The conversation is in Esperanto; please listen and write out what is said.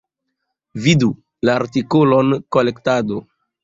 Vidu la artikolon Kolektado.